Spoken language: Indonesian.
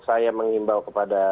saya mengimbau kepada